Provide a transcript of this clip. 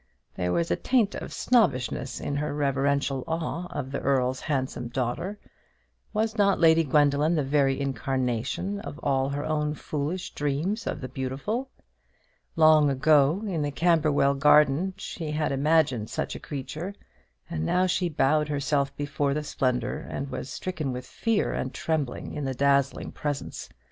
There was a taint of snobbishness in her reverential awe of the Earl's handsome daughter. Was not Lady Gwendoline the very incarnation of all her own foolish dreams of the beautiful? Long ago, in the Camberwell garden, she had imagined such a creature; and now she bowed herself before the splendour, and was stricken with fear and trembling in the dazzling presence.